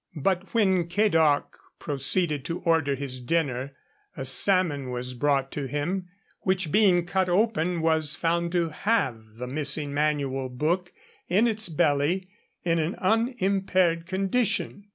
But when Cadoc proceeded to order his dinner, a salmon was brought to him which being cut open was found to have the missing manual book in its belly in an unimpaired condition.